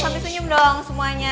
sampai senyum dong semuanya